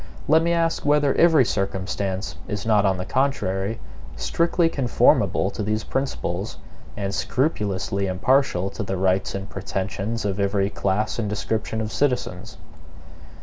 Let me ask whether every circumstance is not, on the contrary, strictly conformable to these principles, and scrupulously impartial to the rights and pretensions of every class and description of citizens?